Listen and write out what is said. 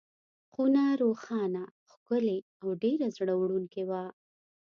خونه روښانه، ښکلې او ډېره زړه وړونکې وه.